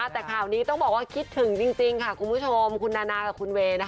แต่ข่าวนี้ต้องบอกว่าคิดถึงจริงค่ะคุณผู้ชมคุณนานากับคุณเวย์